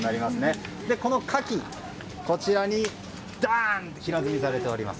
このカキ、こちらにダン！と平積みされています。